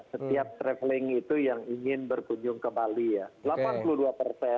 setiap traveling itu yang ingin berkunjung ke bali ya